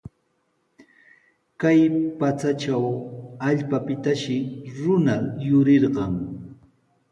Kay pachatraw allpapitashi runa yurirqan.